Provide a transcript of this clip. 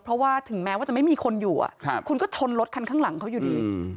เพราะว่าถึงแม้ว่าจะไม่มีคนอยู่คุณก็ชนรถคันข้างหลังเขาอยู่ดี